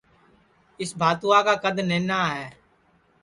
ٻگتیے کا کد نہنا ہے